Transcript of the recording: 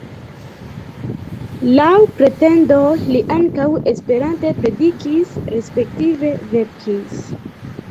Laŭ pretendoj li ankaŭ Esperante predikis, respektive verkis.